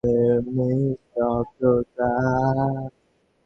হস্তক্ষেপ করার কারণ, সিআইএ হা-নার প্রতি অগ্রসর হতে অন্যান্য বাহিনীদের আদেশ দিতে পারে।